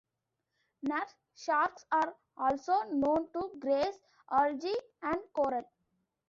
Nurse sharks are also known to graze algae and coral.